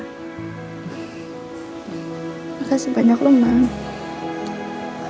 makasih banyak lo mak